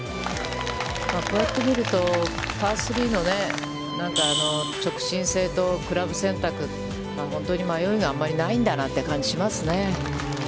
こうやって見ると、パー３の直進性とクラブ選択、本当に迷いがあんまりないんだなという感じがしますね。